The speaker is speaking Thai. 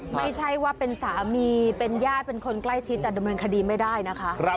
ไม่ใช่ว่าเป็นสามีเป็นญาติเป็นคนใกล้ชิดจะดำเนินคดีไม่ได้นะคะ